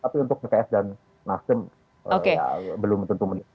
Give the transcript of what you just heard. tapi untuk pks dan nasdem ya belum tentu mendesak